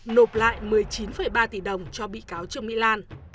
nộp lại một mươi chín ba tỷ đồng cho bị cáo trương mỹ lan